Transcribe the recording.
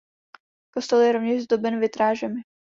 Kostel je rovněž zdoben vitrážemi.